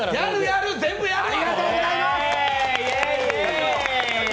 ありがとうございます！